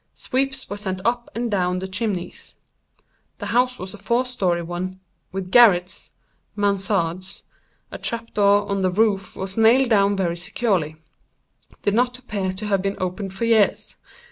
Sweeps were sent up and down the chimneys. The house was a four story one, with garrets (mansardes.) A trap door on the roof was nailed down very securely—did not appear to have been opened for years.